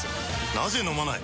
なぜ飲まない？